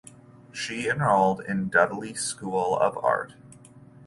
She enrolled in Dudley School of Art.